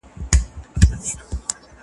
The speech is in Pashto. ویښتو توېیدل د ډېرو خلکو ستونزه ده.